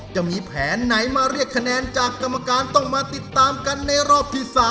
จะมีแผนไหนมาเรียกคะแนนจากกรรมการต้องมาติดตามกันในรอบที่๓